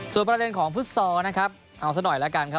ส่วนประเด็นของฟุตซอลนะครับเอาซะหน่อยแล้วกันครับ